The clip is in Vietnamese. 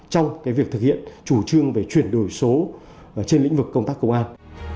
trong cái việc thực hiện chủ trương về truyền đổi số trên lĩnh vực công tác công an